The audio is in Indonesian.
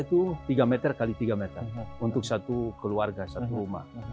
itu tiga meter x tiga meter untuk satu keluarga satu rumah